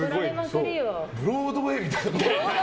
ブロードウェーみたいな。